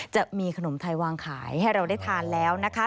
จะมีขนมไทยวางขายให้เราได้ทานแล้วนะคะ